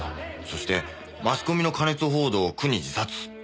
そしてマスコミの過熱報道を苦に自殺。